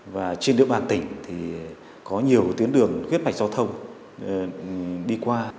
và trên địa bàn tỉnh có nhiều tuyến đường khuyết mạch giao thông đi qua